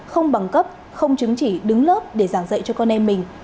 không bằng cấp không chứng chỉ đứng lớp để giảng dạy cho con em mình